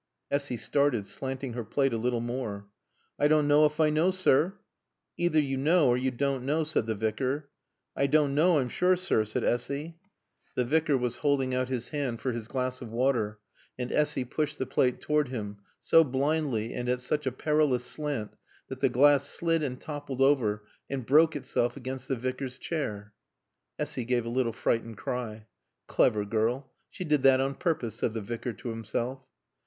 Essy started, slanting her plate a little more. "I doan knaw ef I knaw, sir." "Either you know or you don't know," said the Vicar. "I doan know, I'm sure, sir," said Essy. The Vicar was holding out his hand for his glass of water, and Essy pushed the plate toward him, so blindly and at such a perilous slant that the glass slid and toppled over and broke itself against the Vicar's chair. Essy gave a little frightened cry. "Clever girl. She did that on purpose," said the Vicar to himself.